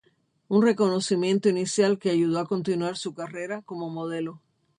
Un reconocimiento inicial que ayudó a continuar su carrera como modelo.